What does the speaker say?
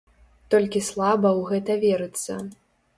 Толькі слаба ў гэта верыцца.